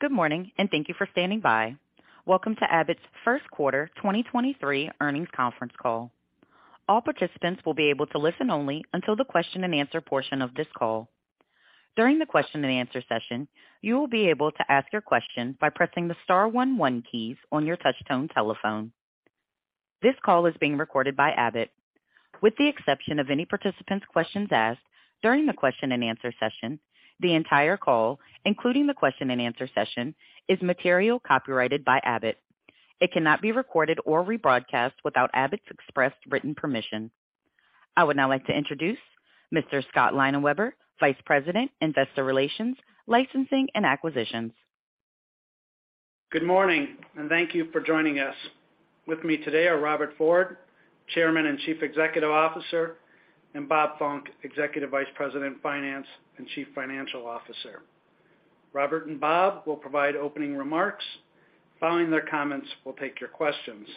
Good morning, and thank you for standing by. Welcome to Abbott's Q1 2023 Earnings Conference Call. All participants will be able to listen only until the question-and-answer portion of this call. During the question-and-answer session, you will be able to ask your question by pressing the star one keys on your touchtone telephone. This call is being recorded by Abbott. With the exception of any participant's questions asked during the question-and-answer session, the entire call, including the question-and-answer session, is material copyrighted by Abbott. It cannot be recorded or rebroadcast without Abbott's express written permission. I would now like to introduce Mr. Scott Leinenweber, Vice President, Investor Relations, Licensing, and Acquisitions. Good morning, thank you for joining us. With me today are Robert Ford, Chairman and Chief Executive Officer, and Bob Funck, Executive Vice President, Finance, and Chief Financial Officer. Robert and Bob will provide opening remarks. Following their comments, we'll take your questions.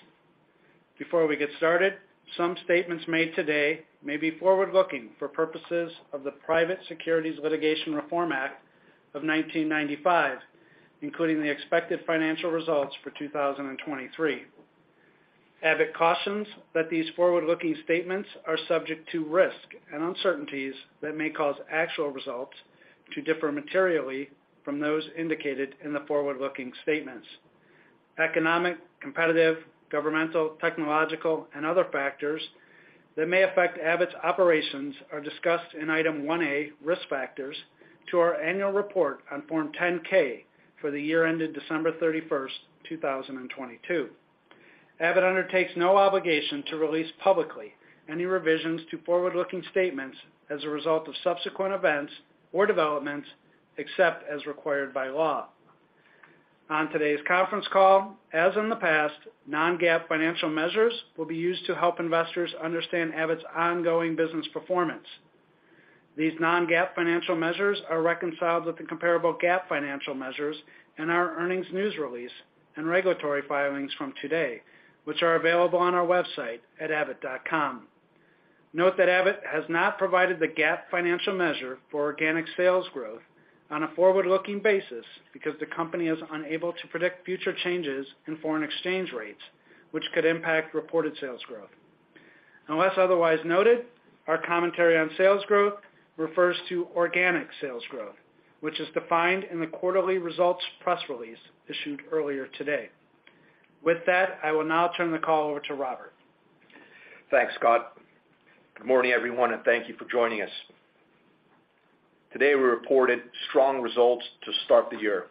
Before we get started, some statements made today may be forward-looking for purposes of the Private Securities Litigation Reform Act of 1995, including the expected financial results for 2023. Abbott cautions that these forward-looking statements are subject to risk and uncertainties that may cause actual results to differ materially from those indicated in the forward-looking statements. Economic, competitive, governmental, technological, and other factors that may affect Abbott's operations are discussed in Item One A, Risk Factors, to our annual report on Form 10-K for the year ended December 31st, 2022. Abbott undertakes no obligation to release publicly any revisions to forward-looking statements as a result of subsequent events or developments, except as required by law. On today's conference call, as in the past, non-GAAP financial measures will be used to help investors understand Abbott's ongoing business performance. These non-GAAP financial measures are reconciled with the comparable GAAP financial measures in our earnings news release and regulatory filings from today, which are available on our website at abbott.com. Note that Abbott has not provided the GAAP financial measure for organic sales growth on a forward-looking basis because the company is unable to predict future changes in foreign exchange rates which could impact reported sales growth. Unless otherwise noted, our commentary on sales growth refers to organic sales growth, which is defined in the quarterly results press release issued earlier today. With that, I will now turn the call over to Robert. Thanks, Scott. Good morning, everyone, and thank you for joining us. Today, we reported strong results to start the year.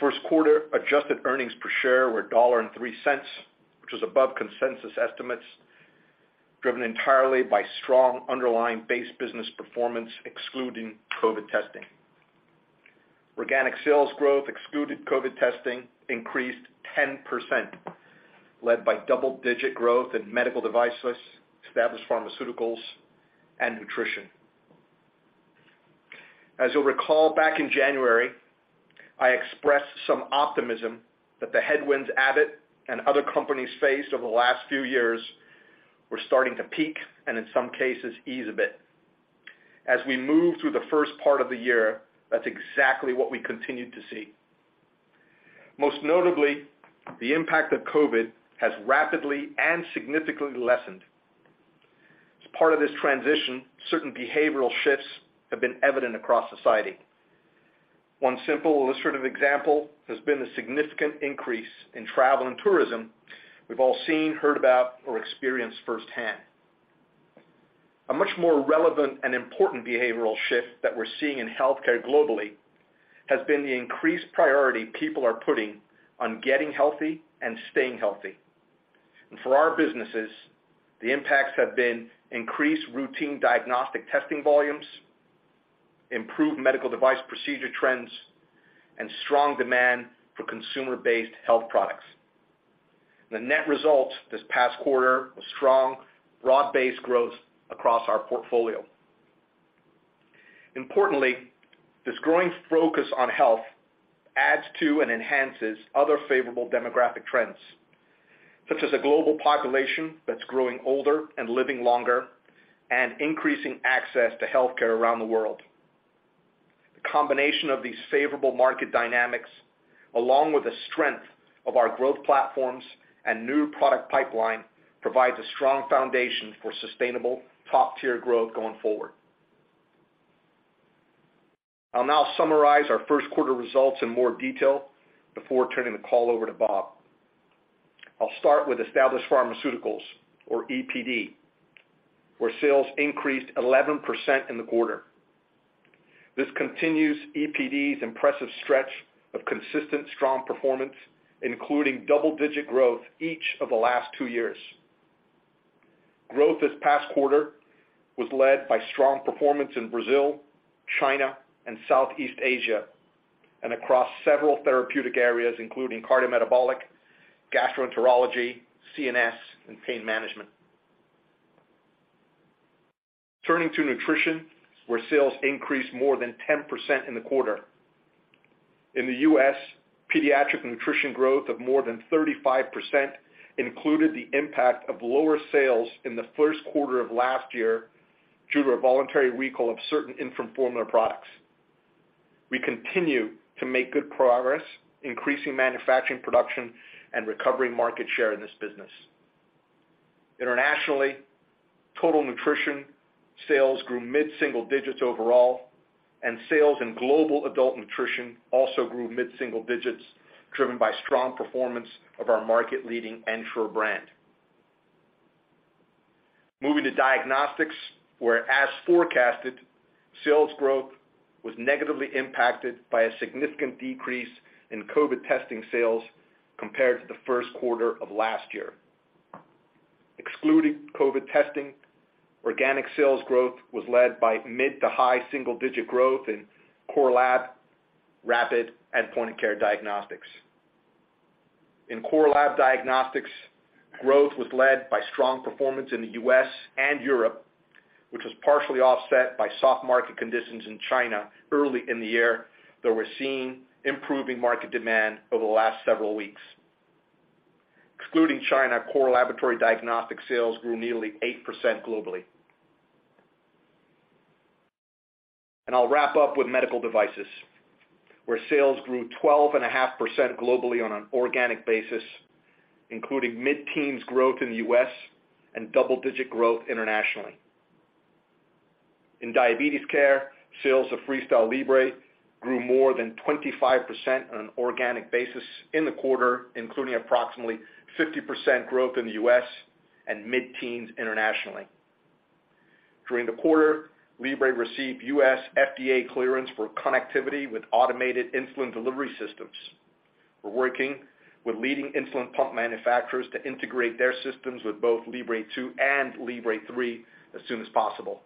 Q1 adjusted earnings per share were $1.03, which was above consensus estimates driven entirely by strong underlying base business performance excluding COVID testing. Organic sales growth excluded COVID testing increased 10% led by double-digit growth in medical devices, Established Pharmaceuticals, and nutrition. As you'll recall, back in January, I expressed some optimism that the headwinds Abbott and other companies faced over the last few years were starting to peak and, in some cases, ease a bit. As we move through the first part of the year, that's exactly what we continued to see. Most notably, the impact of COVID has rapidly and significantly lessened. As part of this transition, certain behavioral shifts have been evident across society. One simple illustrative example has been the significant increase in travel and tourism we've all seen, heard about, or experienced firsthand. A much more relevant and important behavioral shift that we're seeing in healthcare globally has been the increased priority people are putting on getting healthy and staying healthy. For our businesses, the impacts have been increased routine diagnostic testing volumes, improved medical device procedure trends, and strong demand for consumer-based health products. The net result this past quarter was strong, broad-based growth across our portfolio. Importantly, this growing focus on health adds to and enhances other favorable demographic trends, such as a global population that's growing older and living longer and increasing access to healthcare around the world. The combination of these favorable market dynamics, along with the strength of our growth platforms and new product pipeline, provides a strong foundation for sustainable top-tier growth going forward. I'll now summarize our Q1 results in more detail before turning the call over to Bob. I'll start with Established Pharmaceuticals or EPD, where sales increased 11% in the quarter. This continues EPD's impressive stretch of consistent strong performance, including double-digit growth each of the last two years. Growth this past quarter was led by strong performance in Brazil, China, and Southeast Asia, and across several therapeutic areas, including cardiometabolic, gastroenterology, CNS, and pain management. Turning to nutrition, where sales increased more than 10% in the quarter. In the US, pediatric nutrition growth of more than 35% included the impact of lower sales in the Q1 of last year due to a voluntary recall of certain infant formula products. We continue to make good progress, increasing manufacturing production and recovering market share in this business. Internationally, total nutrition sales grew mid-single digits overall. Sales in global adult nutrition also grew mid-single digits, driven by strong performance of our market-leading Ensure brand. Moving to diagnostics, where as forecasted, sales growth was negatively impacted by a significant decrease in COVID testing sales compared to the Q1 of last year. Excluding COVID testing, organic sales growth was led by mid to high single-digit growth in core lab, rapid and point of care diagnostics. In core lab diagnostics, growth was led by strong performance in the US and Europe, which was partially offset by soft market conditions in China early in the year, though we're seeing improving market demand over the last several weeks. Excluding China, core laboratory diagnostic sales grew nearly 8% globally. I'll wrap up with medical devices, where sales grew 12.5% globally on an organic basis, including mid-teens growth in the US and double-digit growth internationally. In diabetes care, sales of FreeStyle Libre grew more than 25% on an organic basis in the quarter, including approximately 50% growth in the US and mid-teens internationally. During the quarter, Libre received US FDA clearance for connectivity with automated insulin delivery systems. We're working with leading insulin pump manufacturers to integrate their systems with both Libre 2 and Libre 3 as soon as possible.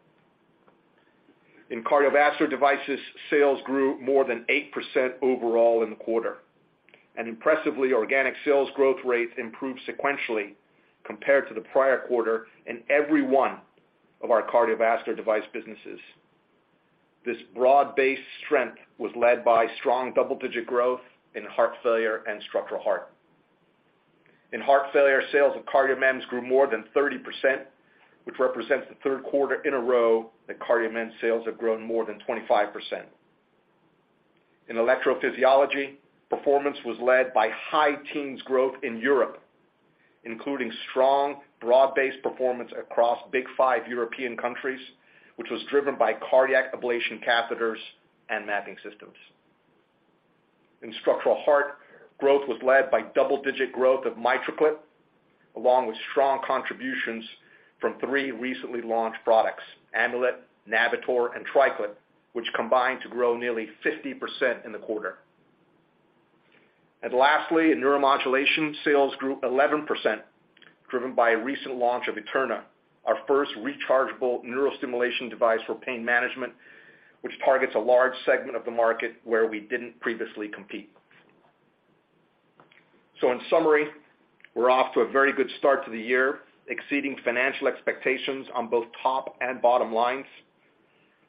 In cardiovascular devices, sales grew more than 8% overall in the quarter. Impressively, organic sales growth rates improved sequentially compared to the prior quarter in every one of our cardiovascular device businesses. This broad-based strength was led by strong double-digit growth in heart failure and structural heart. In heart failure, sales of CardioMEMS grew more than 30%, which represents the Q3 in a row that CardioMEMS sales have grown more than 25%. In electrophysiology, performance was led by high teens growth in Europe, including strong broad-based performance across big five European countries, which was driven by cardiac ablation catheters and mapping systems. In structural heart, growth was led by double-digit growth of MitraClip, along with strong contributions from three recently launched products, Amulet, Navitor, and TriClip, which combined to grow nearly 50% in the quarter. Lastly, in neuromodulation, sales grew 11%, driven by a recent launch of Eterna, our first rechargeable neurostimulation device for pain management, which targets a large segment of the market where we didn't previously compete. In summary, we're off to a very good start to the year, exceeding financial expectations on both top and bottom lines.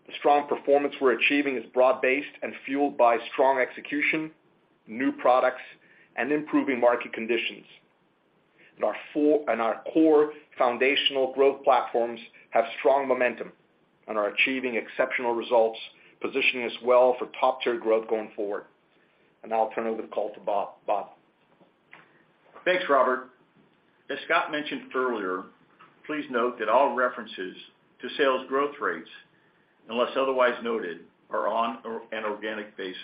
The strong performance we're achieving is broad-based and fueled by strong execution, new products, and improving market conditions. Our core foundational growth platforms have strong momentum and are achieving exceptional results, positioning us well for top-tier growth going forward. Now I'll turn over the call to Bob. Bob? Thanks, Robert. As Scott mentioned earlier, please note that all references to sales growth rates, unless otherwise noted, are on an organic basis.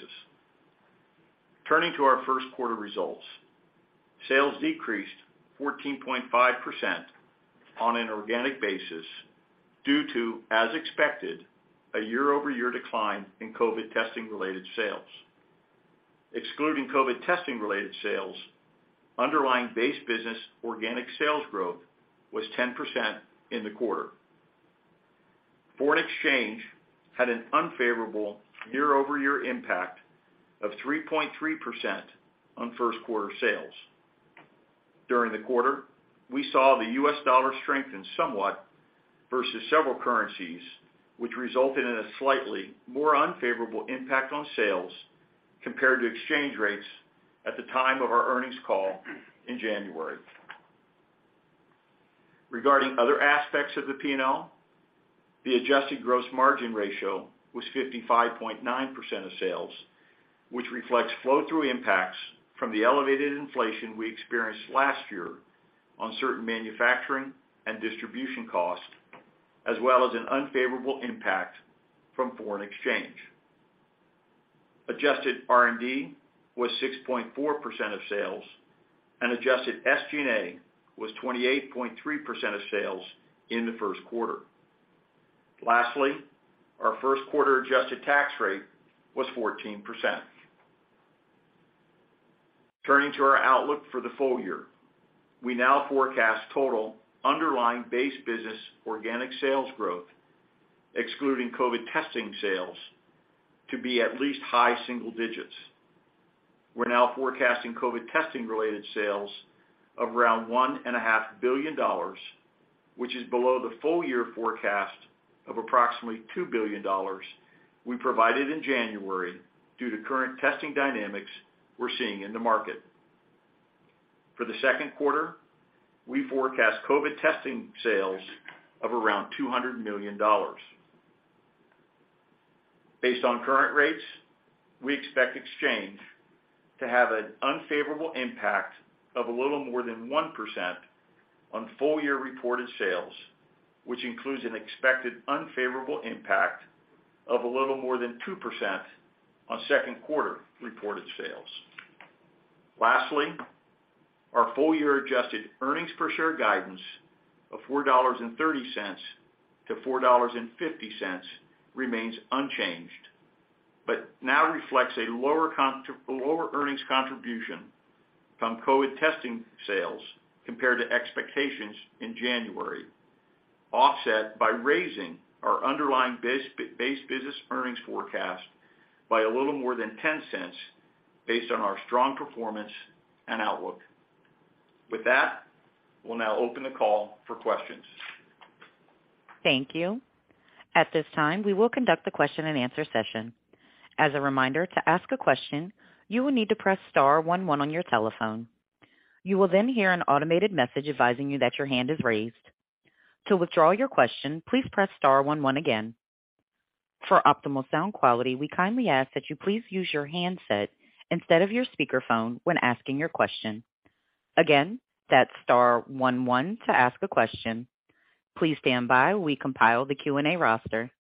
Turning to our Q1 results, sales decreased 14.5% on an organic basis due to, as expected, a year-over-year decline in COVID testing-related sales. Excluding COVID testing-related sales, underlying base business organic sales growth was 10% in the quarter. Foreign exchange had an unfavorable year-over-year impact of 3.3% on Q1 sales. During the quarter, we saw the US dollar strengthen somewhat versus several currencies, which resulted in a slightly more unfavorable impact on sales compared to exchange rates at the time of our earnings call in January. Regarding other aspects of the P&L, the adjusted gross margin ratio was 55.9% of sales, which reflects flow-through impacts from the elevated inflation we experienced last year on certain manufacturing and distribution costs, as well as an unfavorable impact from foreign exchange. Adjusted R&D was 6.4% of sales, and adjusted SG&A was 28.3% of sales in the first quarter. Lastly, our Q1 adjusted tax rate was 14%. Turning to our outlook for the full year. We now forecast total underlying base business organic sales growth, excluding COVID testing sales, to be at least high single digits. We're now forecasting COVID testing-related sales of around one and a half billion dollars, which is below the full year forecast of approximately $2 billion we provided in January due to current testing dynamics we're seeing in the market. For the second quarter, we forecast COVID testing sales of around $200 million. Based on current rates, we expect exchange to have an unfavorable impact of a little more than 1% on full-year reported sales, which includes an expected unfavorable impact of a little more than 2% on Q2 reported sales. Lastly, our full year adjusted earnings per share guidance of $4.30 to $4.50 remains unchanged, but now reflects a lower earnings contribution from COVID testing sales compared to expectations in January, offset by raising our underlying base business earnings forecast by a little more than $0.10 based on our strong performance and outlook. With that, we'll now open the call for questions. Thank you. At this time, we will conduct the question-and-answer session. As a reminder, to ask a question, you will need to press star one one on your telephone. You will then hear an automated message advising you that your hand is raised. To withdraw your question, please press star one one again. For optimal sound quality, we kindly ask that you please use your handset instead of your speakerphone when asking your question. Again, that's star one one to ask a question. Please stand by while we compile the Q&A roster.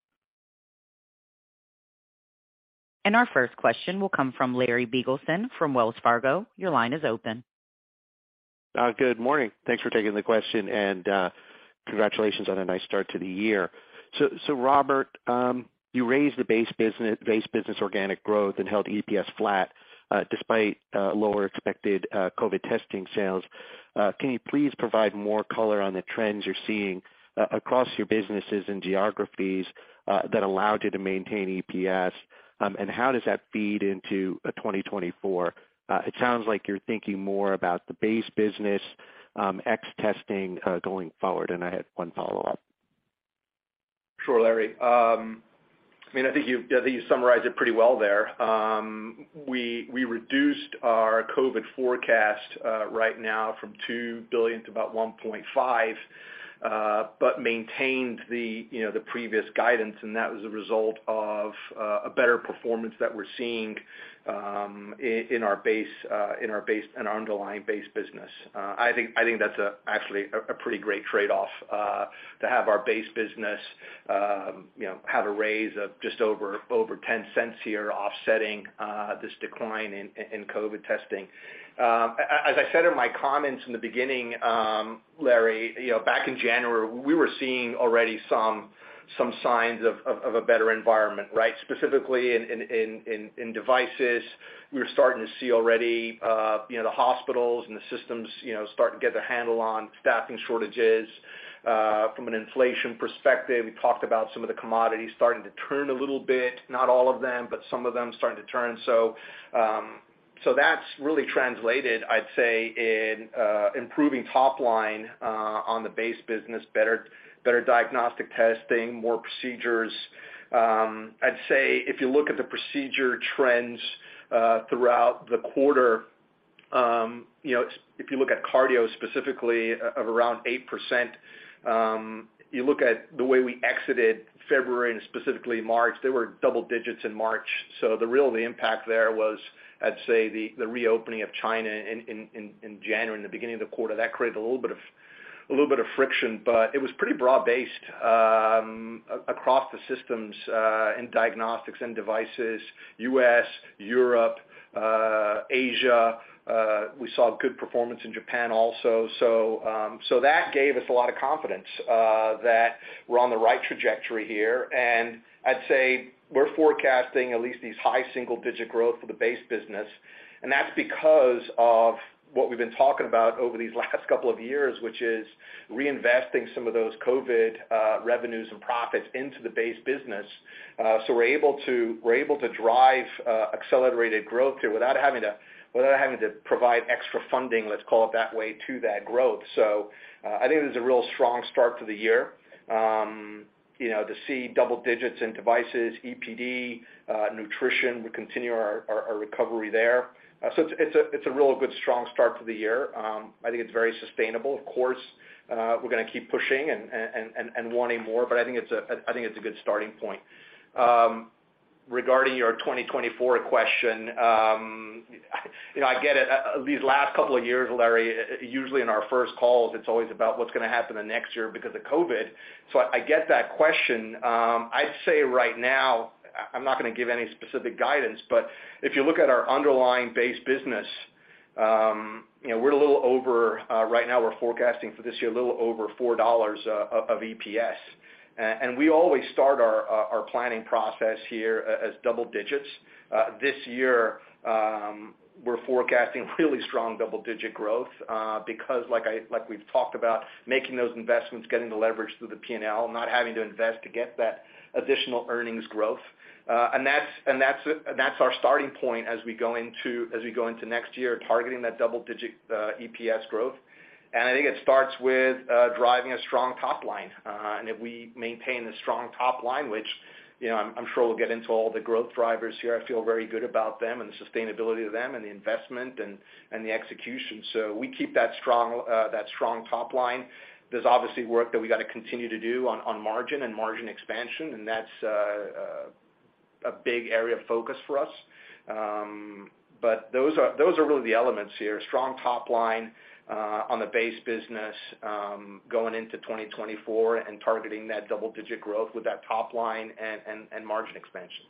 Our first question will come from Larry Biegelsen from Wells Fargo. Your line is open. Good morning. Thanks for taking the question and congratulations on a nice start to the year. Robert, you raised the base business organic growth and held EPS flat, despite lower expected COVID testing sales. Can you please provide more color on the trends you're seeing across your businesses and geographies, that allowed you to maintain EPS? How does that feed into 2024? It sounds like you're thinking more about the base business, ex testing, going forward, and I had one follow-up. Sure, Larry. I mean, I think you summarized it pretty well there. We reduced our COVID forecast right now from $2 billion to about $1.5 billion, but maintained the, you know, the previous guidance. That was a result of a better performance that we're seeing in our base and underlying base business. I think that's actually a pretty great trade-off to have our base business, you know, have a raise of just over $0.10 here offsetting this decline in COVID testing. As I said in my comments in the beginning, Larry, you know, back in January, we were seeing already some signs of a better environment, right? Specifically in devices. We were starting to see already, you know, the hospitals and the systems, you know, starting to get their handle on staffing shortages. From an inflation perspective, we talked about some of the commodities starting to turn a little bit, not all of them, but some of them starting to turn. That's really translated, I'd say, in improving top line on the base business, better diagnostic testing, more procedures. I'd say if you look at the procedure trends throughout the quarter, you know, if you look at cardio specifically of around 8%, you look at the way we exited February and specifically March, they were double digits in March. The real impact there was, I'd say, the reopening of China in January and the beginning of the quarter. That created a little bit of friction, but it was pretty broad-based across the systems in diagnostics and devices, US, Europe, Asia. We saw good performance in Japan also. That gave us a lot of confidence that we're on the right trajectory here. I'd say we're forecasting at least these high single-digit growth for the base business. That's because of what we've been talking about over these last couple of years, which is reinvesting some of those COVID revenues and profits into the base business. We're able to drive accelerated growth here without having to provide extra funding, let's call it that way, to that growth. I think it was a real strong start to the year. you know, to see double digits in devices, EPD, nutrition, we continue our recovery there. it's a real good strong start to the year. I think it's very sustainable. Of course, we're gonna keep pushing and wanting more, but I think it's a good starting point. Regarding your 2024 question, you know, I get it. These last couple of years, Larry, usually in our first calls, it's always about what's gonna happen the next year because of COVID. I get that question. I'd say right now, I'm not gonna give any specific guidance, but if you look at our underlying base business, you know, we're a little over, right now we're forecasting for this year a little over $4 of EPS. We always start our planning process here as double digits. This year, we're forecasting really strong double-digit growth, because like we've talked about, making those investments, getting the leverage through the P&L, not having to invest to get that additional earnings growth. That's our starting point as we go into, as we go into next year, targeting that double-digit EPS growth. I think it starts with driving a strong top line. If we maintain the strong top line, which, you know, I'm sure we'll get into all the growth drivers here, I feel very good about them and the sustainability of them and the investment and the execution. We keep that strong top line. There's obviously work that we got to continue to do on margin and margin expansion, and that's a big area of focus for us. Those are really the elements here. Strong top line on the base business going into 2024 and targeting that double digit growth with that top line and margin expansion.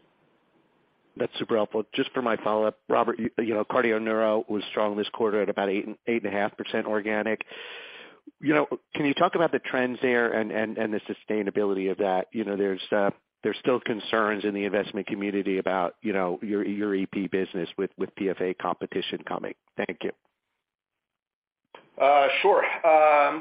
That's super helpful. Just for my follow-up, Robert, you know, cardio neuro was strong this quarter at about 8.5% organic. You know, can you talk about the trends there and the sustainability of that? You know, there's still concerns in the investment community about, you know, your EP business with PFA competition coming. Thank you. Sure.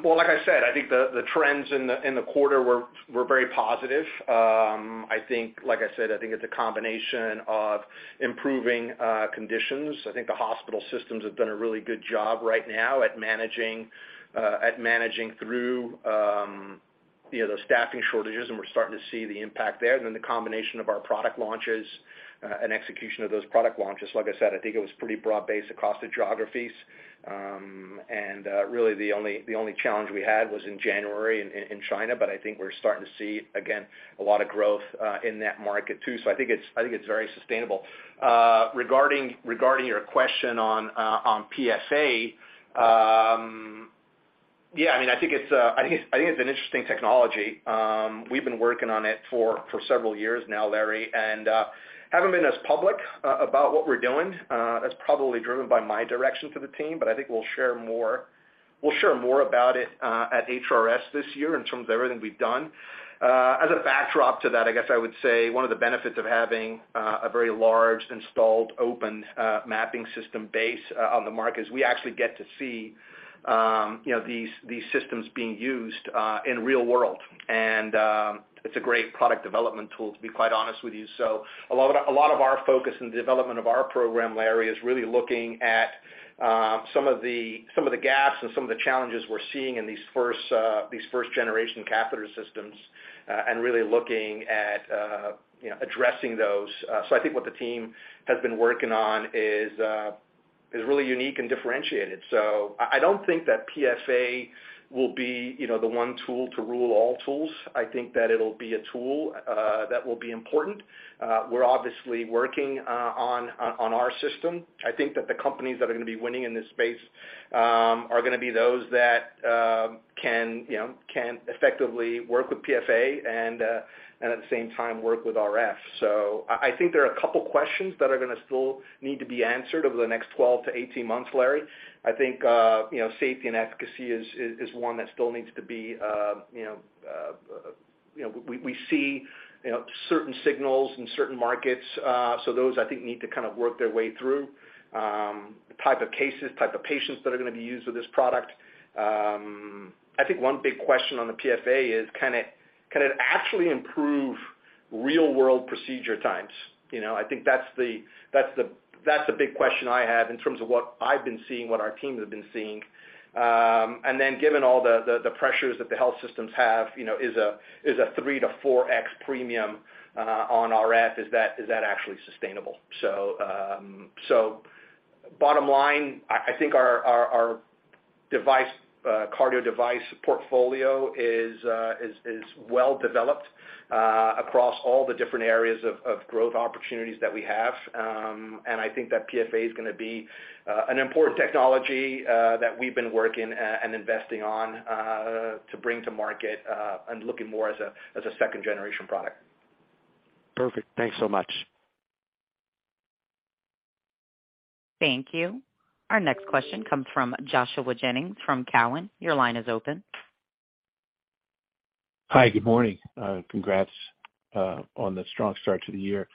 Well, like I said, I think the trends in the quarter were very positive. I think, like I said, I think it's a combination of improving conditions. I think the hospital systems have done a really good job right now at managing, at managing through, you know, those staffing shortages, and we're starting to see the impact there. The combination of our product launches, and execution of those product launches. Like I said, I think it was pretty broad based across the geographies. And really the only challenge we had was in January in China. I think we're starting to see, again, a lot of growth in that market too. I think it's very sustainable. Regarding your question on PFA, yeah, I mean, I think it's, I think it's an interesting technology. We've been working on it for several years now, Larry, and haven't been as public about what we're doing. That's probably driven by my direction to the team, but I think we'll share more about it at HRS this year in terms of everything we've done. As a backdrop to that, I guess I would say one of the benefits of having a very large installed open mapping system base on the market is we actually get to see, you know, these systems being used in real world. It's a great product development tool, to be quite honest with you. A lot of our focus in the development of our program, Larry, is really looking at some of the gaps and some of the challenges we're seeing in these first generation catheter systems and really looking at, you know, addressing those. I think what the team has been working on is really unique and differentiated. I don't think that PFA will be, you know, the one tool to rule all tools. I think that it'll be a tool that will be important. We're obviously working on our system. I think that the companies that are going to be winning in this space are going to be those that can, you know, can effectively work with PFA and at the same time work with RF. I think there are a couple questions that are going to still need to be answered over the next 12 to 18 months, Larry. I think, you know, safety and efficacy is one that still needs to be. We see, you know, certain signals in certain markets, so those I think need to kind of work their way through. The type of cases, type of patients that are going to be used with this product. I think one big question on the PFA is, can it actually improve real world procedure times? You know, I think that's the big question I have in terms of what I've been seeing, what our team has been seeing. Given all the pressures that the health systems have, you know, is a 3 to 4x premium on RF, is that actually sustainable? Bottom line, I think our device cardio device portfolio is well developed across all the different areas of growth opportunities that we have. I think that PFA is going to be an important technology that we've been working and investing on to bring to market and looking more as a second-generation product. Perfect. Thanks so much. Thank you. Our next question comes from Joshua Jennings from Cowen. Your line is open. Hi. Good morning. Congrats on the strong start to the year.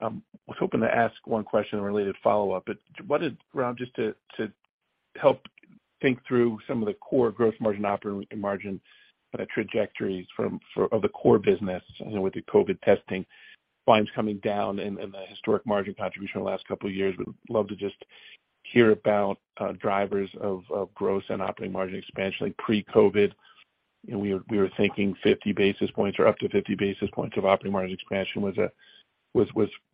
Was hoping to ask one question and a related follow-up. Rob, just to help think through some of the core growth margin, operating margin, trajectories of the core business, you know, with the COVID testing volumes coming down and the historic margin contribution the last couple of years. Would love to just hear about drivers of growth and operating margin expansion. Like pre-COVID, you know, we were thinking 50 basis points or up to 50 basis points of operating margin expansion was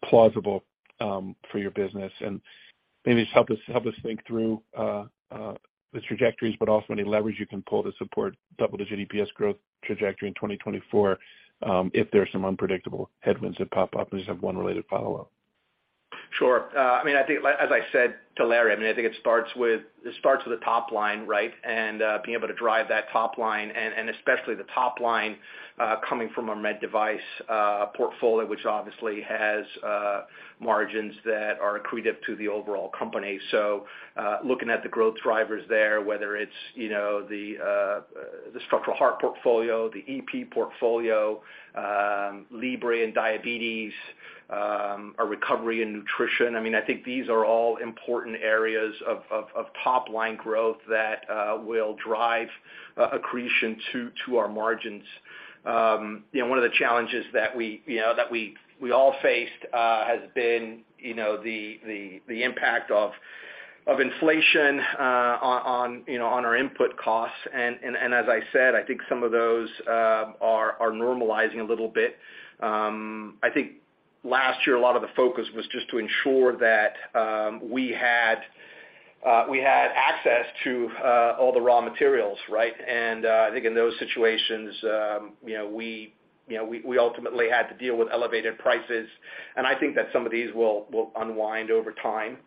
plausible for your business. Maybe just help us think through the trajectories, but also any leverage you can pull to support double-digit EPS growth trajectory in 2024, if there's some unpredictable headwinds that pop up. I just have one related follow-up. Sure. I mean, I think, like as I said to Larry, I mean, I think it starts with the top line, right? Being able to drive that top line and especially the top line coming from a med device portfolio, which obviously has margins that are accretive to the overall company. Looking at the growth drivers there, whether it's, you know, the structural heart portfolio, the EP portfolio, Libre and diabetes, a recovery in nutrition, I mean, I think these are all important areas of top line growth that will drive accretion to our margins. You know, one of the challenges that we, you know, that we all faced has been, you know, the impact of inflation on, you know, on our input costs. As I said, I think some of those are normalizing a little bit. I think last year, a lot of the focus was just to ensure that we had access to all the raw materials, right? I think in those situations, you know, we, you know, we ultimately had to deal with elevated prices, and I think that some of these will unwind over time.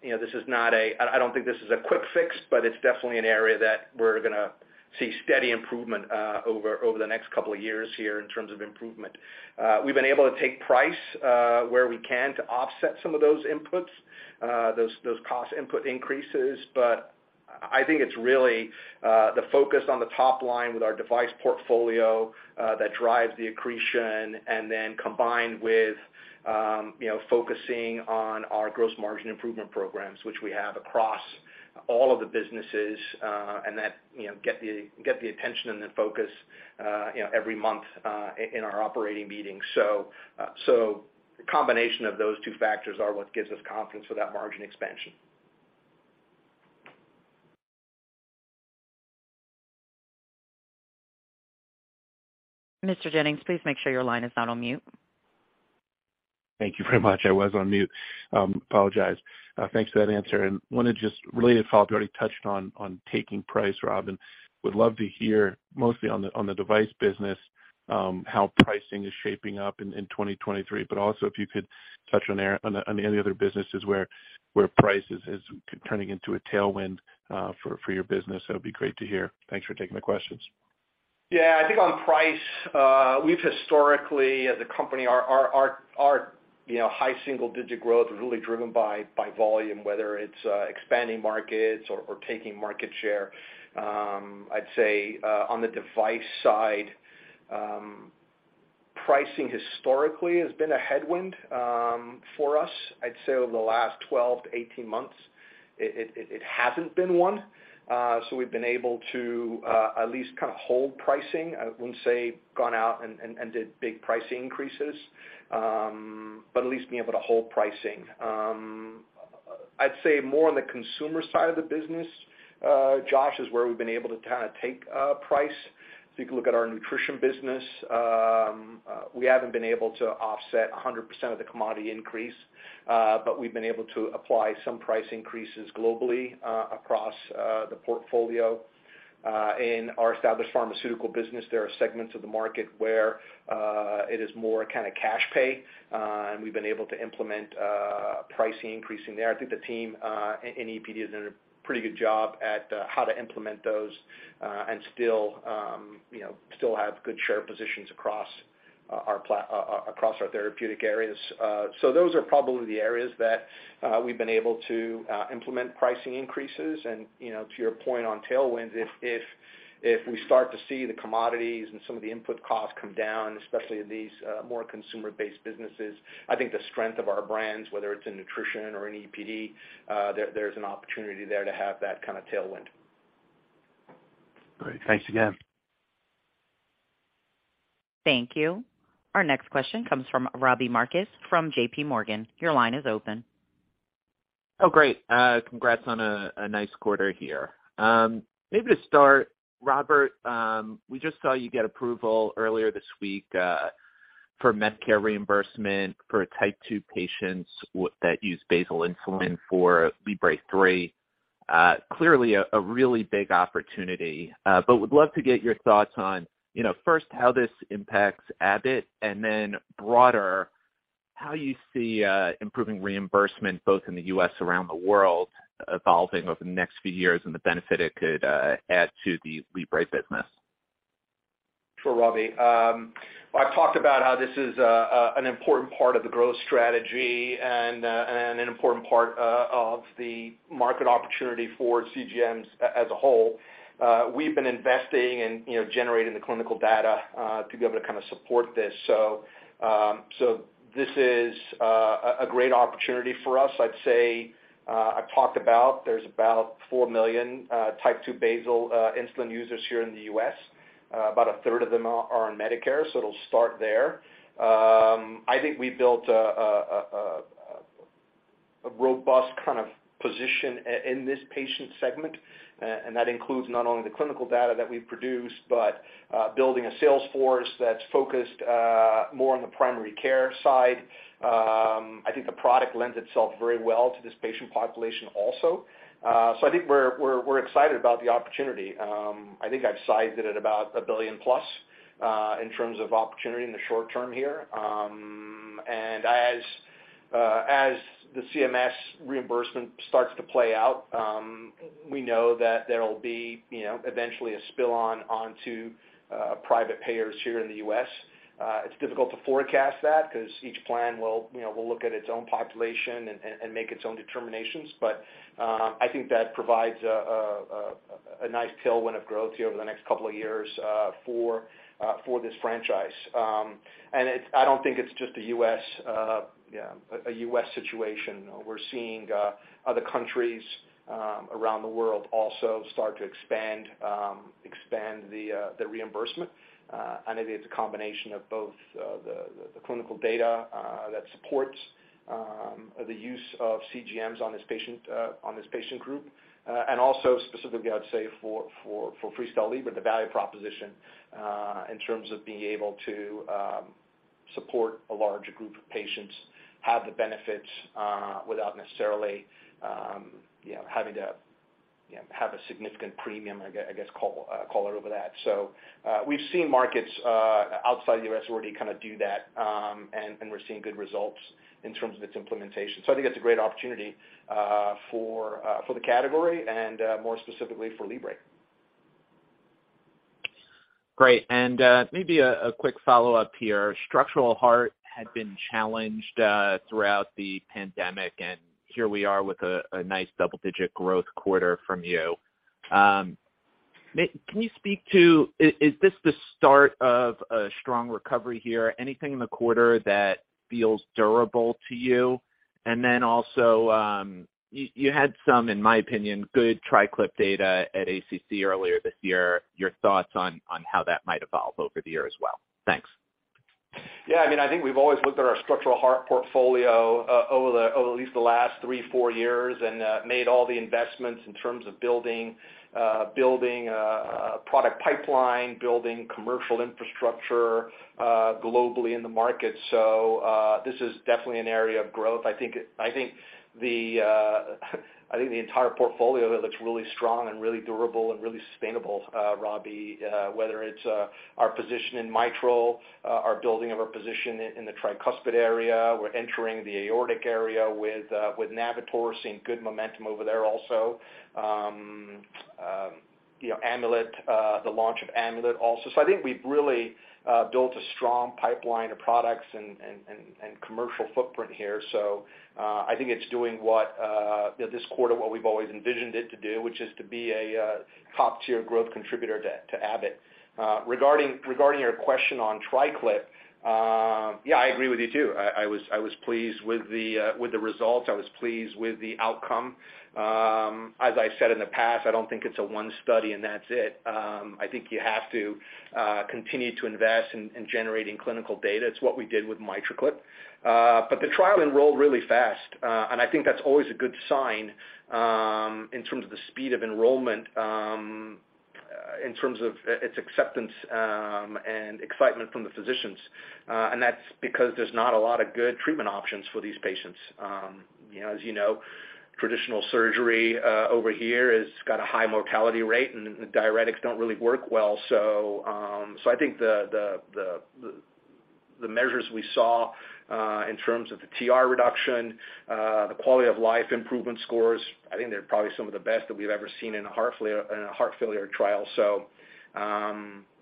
You know, this is not a... I don't think this is a quick fix, but it's definitely an area that we're gonna see steady improvement over the next two years here in terms of improvement. We've been able to take price where we can to offset some of those inputs, those cost input increases. I think it's really the focus on the top line with our device portfolio that drives the accretion and then combined with, you know, focusing on our gross margin improvement programs, which we have across all of the businesses, and that, you know, get the attention and the focus, you know, every month in our operating meetings. The combination of those two factors are what gives us confidence for that margin expansion. Mr. Jennings, please make sure your line is not on mute. Thank you very much. I was on mute. Apologize. Thanks for that answer. Wanted to just related follow-up, you already touched on taking price, Rob, and would love to hear mostly on the device business, how pricing is shaping up in 2023. Also if you could touch on any other businesses where price is turning into a tailwind for your business, that'd be great to hear. Thanks for taking the questions. I think on price, we've historically as a company, our, you know, high single digit growth is really driven by volume, whether it's expanding markets or taking market share. I'd say on the device side, pricing historically has been a headwind for us. I'd say over the last 12 to 18 months, it hasn't been one. We've been able to at least kind of hold pricing. I wouldn't say gone out and did big price increases, at least being able to hold pricing. I'd say more on the consumer side of the business, Josh, is where we've been able to kinda take price. If you can look at our nutrition business, we haven't been able to offset 100% of the commodity increase, but we've been able to apply some price increases globally across the portfolio. In our Established Pharmaceuticals business, there are segments of the market where it is more kinda cash pay, and we've been able to implement pricing increasing there. I think the team in EPD has done a pretty good job at how to implement those and still, you know, still have good share positions across our therapeutic areas. Those are probably the areas that we've been able to implement pricing increases. You know, to your point on tailwinds, if we start to see the commodities and some of the input costs come down, especially in these, more consumer-based businesses, I think the strength of our brands, whether it's in nutrition or in EPD, there's an opportunity there to have that kinda tailwind. Great. Thanks again. Thank you. Our next question comes from Robbie Marcus from J.P. Morgan. Your line is open. Great. Congrats on a nice quarter here. Maybe to start, Robert, we just saw you get approval earlier this week for Medicare reimbursement for Type two patients that use basal insulin for Libre 3. Clearly a really big opportunity, but would love to get your thoughts on, you know, first, how this impacts Abbott and then broader, how you see improving reimbursement both in the US and around the world evolving over the next few years and the benefit it could add to the Libre business. Sure, Robbie. I've talked about how this is an important part of the growth strategy and an important part of the market opportunity for CGMs as a whole. We've been investing and, you know, generating the clinical data to be able to kinda support this. This is a great opportunity for us. I'd say, I've talked about there's about 4 million Type two basal insulin users here in the US. About a third of them are on Medicare, so it'll start there. I think we built a robust kind of position in this patient segment, and that includes not only the clinical data that we've produced, but building a sales force that's focused more on the primary care side. I think the product lends itself very well to this patient population also. So I think we're excited about the opportunity. I think I've sized it at about $1 billion-plus in terms of opportunity in the short term here. And as the CMS reimbursement starts to play out, we know that there'll be, you know, eventually a spill on onto private payers here in the US. It's difficult to forecast that 'cause each plan will, you know, will look at its own population and make its own determinations. I think that provides a nice tailwind of growth here over the next couple of years for this franchise. And it's I don't think it's just a US, you know, a US situation. We're seeing other countries around the world also start to expand the reimbursement. It is a combination of both the clinical data that supports the use of CGMs on this patient group and also specifically, I'd say for FreeStyle Libre, the value proposition in terms of being able to support a larger group of patients, have the benefits without necessarily having to have a significant premium, I guess, call it over that. We've seen markets outside the US already kind of do that, and we're seeing good results in terms of its implementation. I think that's a great opportunity for the category and more specifically for Libre. Great. Maybe a quick follow-up here. Structural heart had been challenged throughout the pandemic, and here we are with a nice double-digit growth quarter from you. Can you speak to, is this the start of a strong recovery here? Anything in the quarter that feels durable to you? Also, you had some, in my opinion, good TriClip data at ACC earlier this year, your thoughts on how that might evolve over the year as well. Thanks. Yeah, I mean, I think we've always looked at our structural heart portfolio over the, over at least the last three, four years and made all the investments in terms of building product pipeline, building commercial infrastructure globally in the market. This is definitely an area of growth. I think the entire portfolio that looks really strong and really durable and really sustainable, Robbie, whether it's our position in mitral, our building of our position in the tricuspid area. We're entering the aortic area with Navitor, seeing good momentum over there also. you know, Amulet, the launch of Amulet also. I think we've really built a strong pipeline of products and commercial footprint here. I think it's doing what this quarter what we've always envisioned it to do, which is to be a top-tier growth contributor to Abbott. Regarding your question on TriClip, yeah, I agree with you too. I was pleased with the results. I was pleased with the outcome. As I said in the past, I don't think it's a one study and that's it. I think you have to continue to invest in generating clinical data. It's what we did with MitraClip. The trial enrolled really fast, and I think that's always a good sign in terms of the speed of enrollment, in terms of its acceptance, and excitement from the physicians. That's because there's not a lot of good treatment options for these patients. You know, as you know, traditional surgery over here has got a high mortality rate, and the diuretics don't really work well. I think the measures we saw in terms of the TR reduction, the quality of life improvement scores, I think they're probably some of the best that we've ever seen in a heart failure trial.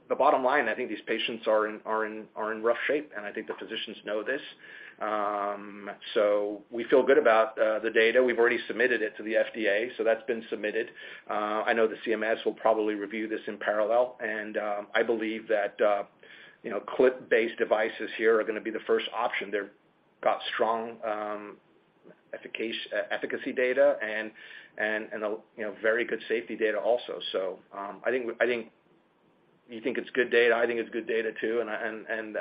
The bottom line, I think these patients are in rough shape, and I think the physicians know this. We feel good about the data. We've already submitted it to the FDA, so that's been submitted. I know the CMS will probably review this in parallel. I believe that, you know, clip-based devices here are gonna be the first option. They've got strong efficacy data and a, you know, very good safety data also. I think you think it's good data, I think it's good data too, and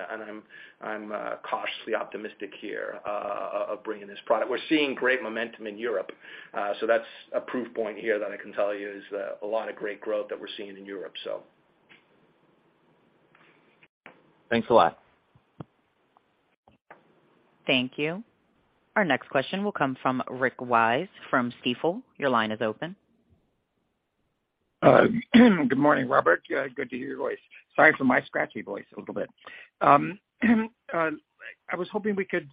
I'm cautiously optimistic here of bringing this product. We're seeing great momentum in Europe. That's a proof point here that I can tell you is a lot of great growth that we're seeing in Europe. Thanks a lot. Thank you. Our next question will come from Rick Wise from Stifel. Your line is open. Good morning, Robert. Good to hear your voice. Sorry for my scratchy voice a little bit. I was hoping we could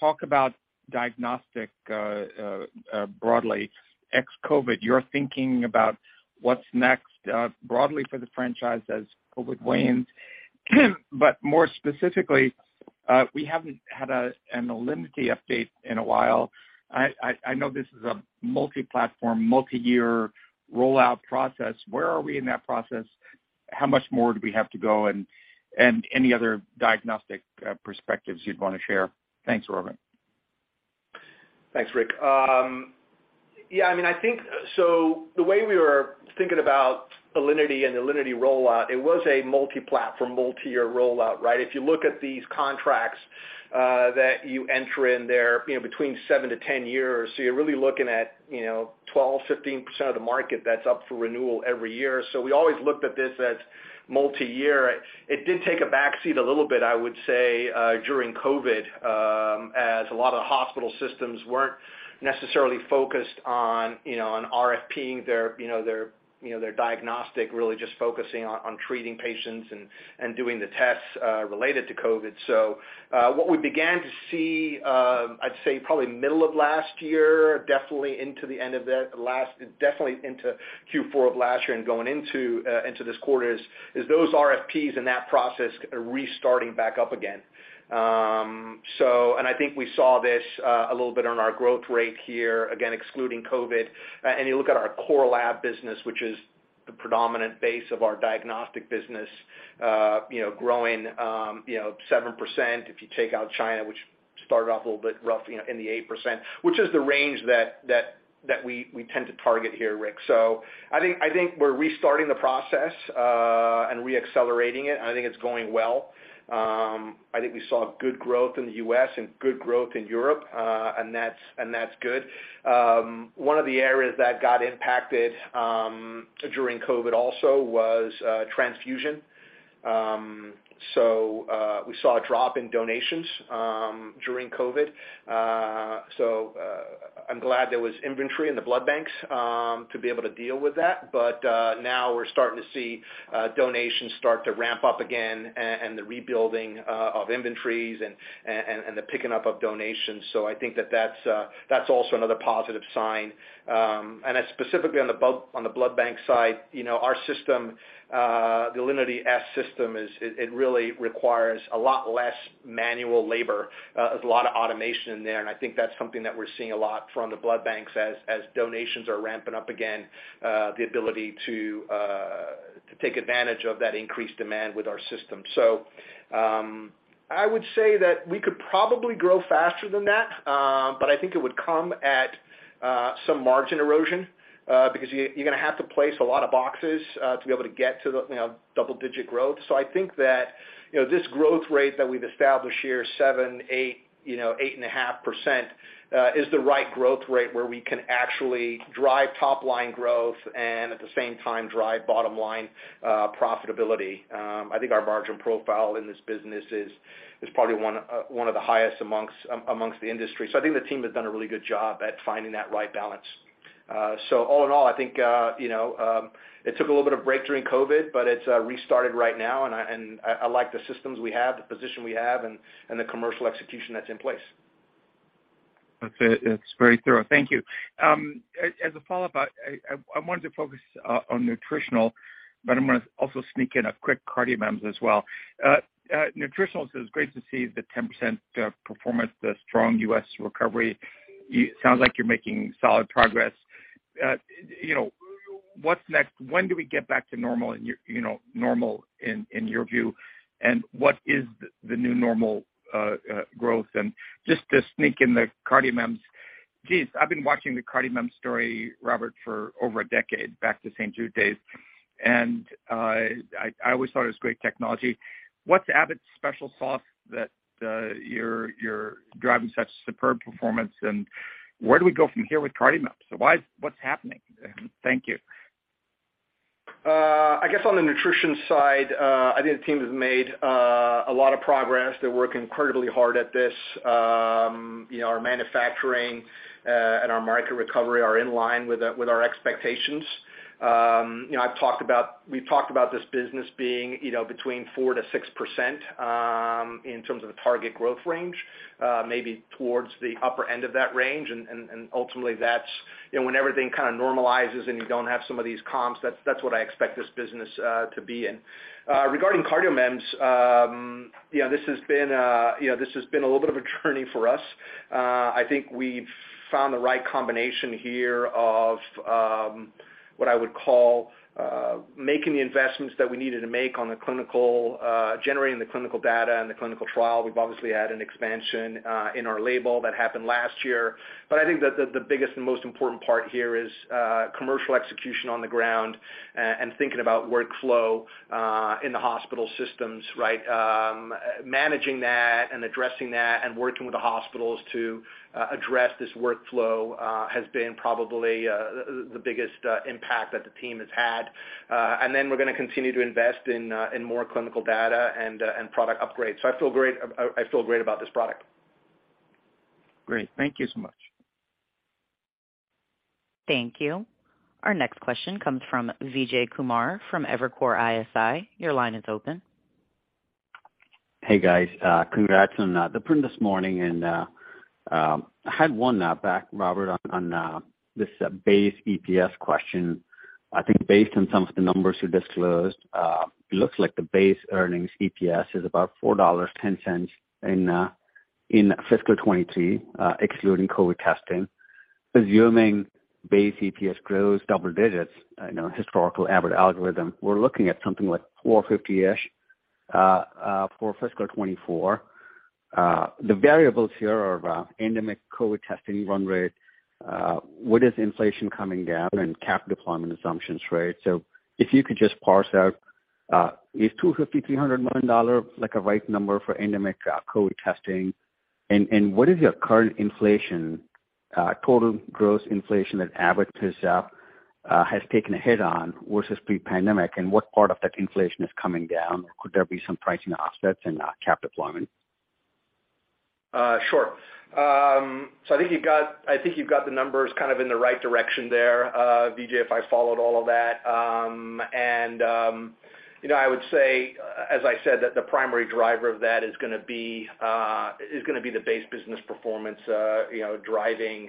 talk about diagnostic, broadly, ex-COVID, your thinking about what's next, broadly for the franchise as COVID wanes. More specifically, we haven't had an Alinity update in a while. I know this is a multi-platform, multi-year rollout process. Where are we in that process? How much more do we have to go? Any other diagnostic perspectives you'd wanna share. Thanks, Robert. Thanks, Rick. I mean, I think. The way we were thinking about Alinity and Alinity rollout, it was a multi-platform, multi-year rollout, right? If you look at these contracts that you enter in, they're, you know, between seven to 10 years. You're really looking at, you know, 12%, 15% of the market that's up for renewal every year. We always looked at this as multi-year. It did take a back seat a little bit, I would say, during COVID, as a lot of hospital systems weren't necessarily focused on, you know, on RFP-ing their, you know, their diagnostic, really just focusing on treating patients and doing the tests related to COVID. What we began to see, I'd say probably middle of last year, definitely into Q4 of last year and going into this quarter is those RFPs and that process restarting back up again. I think we saw this a little bit on our growth rate here, again, excluding COVID. You look at our core lab business, which is the predominant base of our diagnostic business, you know, growing, you know, 7%, if you take out China, which started off a little bit rough in the 8%, which is the range that we tend to target here, Rick. I think we're restarting the process and re-accelerating it, and I think it's going well. I think we saw good growth in the US and good growth in Europe, and that's good. One of the areas that got impacted during COVID also was transfusion. We saw a drop in donations during COVID. I'm glad there was inventory in the blood banks to be able to deal with that. Now we're starting to see donations start to ramp up again and the rebuilding of inventories and the picking up of donations. I think that's also another positive sign. Specifically on the blood bank side, you know, our system, the Alinity s system is it really requires a lot less manual labor. There's a lot of automation in there, and I think that's something that we're seeing a lot from the blood banks as donations are ramping up again, the ability to take advantage of that increased demand with our system. I would say that we could probably grow faster than that, but I think it would come at some margin erosion, because you're gonna have to place a lot of boxes to be able to get to the, you know, double-digit growth. I think that, you know, this growth rate that we've established here, 7%, 8%, you know, 8.5%, is the right growth rate where we can actually drive top-line growth and at the same time drive bottom line profitability. I think our margin profile in this business is probably one of the highest amongst the industry. I think the team has done a really good job at finding that right balance. All in all, I think, you know, it took a little bit of break during COVID, but it's restarted right now, and I like the systems we have, the position we have, and the commercial execution that's in place. Okay. That's very thorough. Thank you. As a follow-up, I wanted to focus on nutritional, but I'm gonna also sneak in a quick CardioMEMS as well. Nutritionals, it's great to see the 10% performance, the strong US recovery. Sounds like you're making solid progress. You know, what's next? When do we get back to normal in your, you know, normal in your view? What is the new normal growth? Just to sneak in the CardioMEMS, geez, I've been watching the CardioMEMS story, Robert, for over a decade, back to St. Jude days. I always thought it was great technology. What's Abbott's special sauce that you're driving such superb performance, and where do we go from here with CardioMEMS? Why is what's happening? Thank you. I guess on the nutrition side, I think the team has made a lot of progress. They work incredibly hard at this. You know, our manufacturing and our market recovery are in line with our expectations. You know, we've talked about this business being, you know, between 4%-6% in terms of the target growth range, maybe towards the upper end of that range. Ultimately that's, you know, when everything kind of normalizes and you don't have some of these comps, that's what I expect this business to be in. Regarding CardioMEMS, you know, this has been, you know, this has been a little bit of a journey for us. I think we've found the right combination here of what I would call making the investments that we needed to make on generating the clinical data and the clinical trial. We've obviously had an expansion in our label that happened last year. I think that the biggest and most important part here is commercial execution on the ground and thinking about workflow in the hospital systems, right? Managing that and addressing that and working with the hospitals to address this workflow has been probably the biggest impact that the team has had. We're gonna continue to invest in more clinical data and product upgrades. I feel great about this product. Great. Thank you so much. Thank you. Our next question comes from Vijay Kumar from Evercore ISI. Your line is open. Hey, guys. Congrats on the print this morning. I had one back, Robert, on this base EPS question. I think based on some of the numbers you disclosed, it looks like the base earnings EPS is about $4.10 in fiscal 2023, excluding COVID testing. Assuming base EPS grows double digits, you know, historical Abbott algorithm, we're looking at something like $4.50-ish for fiscal 2024. The variables here are endemic COVID testing run rate, what is inflation coming down and cap deployment assumptions, right? If you could just parse out, is $250 million-$300 million like a right number for endemic COVID testing? What is your current inflation, total gross inflation that Abbott has taken a hit on versus pre-pandemic? What part of that inflation is coming down? Could there be some pricing offsets in cap deployment? Sure. I think you've got the numbers kind of in the right direction there, Vijay, if I followed all of that. You know, I would say, as I said, that the primary driver of that is gonna be the base business performance, you know, driving,